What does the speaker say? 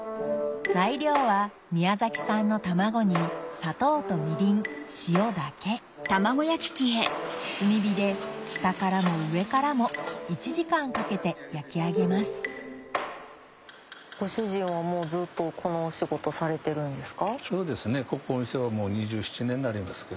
材料は宮崎産の卵に砂糖とみりん塩だけ炭火で下からも上からも１時間かけて焼き上げますご主人はもうずっとこのお仕事されてるんですか？